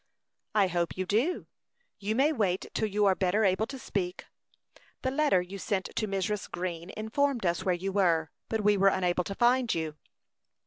"I hope you do. You may wait till you are better able to speak. The letter you sent to Mrs. Green informed us where you were, but we were unable to find you."